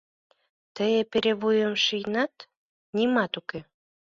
Тый эпере вуйым шийынат: нимат уке.